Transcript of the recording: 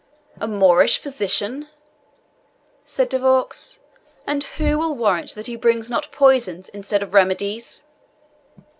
"A Moorish physician!" said De Vaux; "and who will warrant that he brings not poisons instead of remedies?"